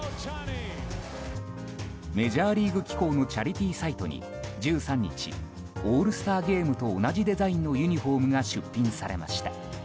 メジャーリーグ機構のチャリティーサイトに１３日、オールスターゲームと同じデザインのユニホームが出品されました。